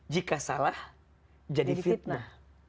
jika salah jadi fitnah